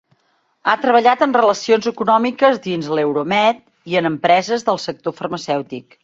Ha treballat en relacions econòmiques dins l'Euromed i en empreses del sector farmacèutic.